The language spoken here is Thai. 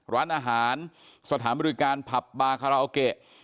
ร้านอาหารสถานบริการผับบาคาราโอเกะ